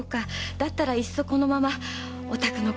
だったらいっそこのままお宅の子でいた方が。